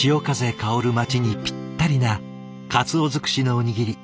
薫る町にぴったりな鰹尽くしのおにぎり。